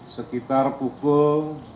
sekitar pukul sebelas tiga puluh